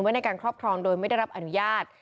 ในการครอบครองโดยไม่ได้รับอนุญาต